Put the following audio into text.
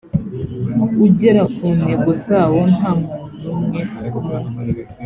ugera ku ntego zawo nta muntu n umwe mu